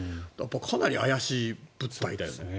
かなり怪しい物体だよね。